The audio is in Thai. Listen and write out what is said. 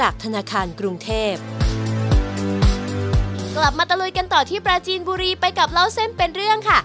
กลับมาตะลุยกันต่อที่ปราจีนบุรีไปกับเล่าเส้นเป็นเรื่องค่ะ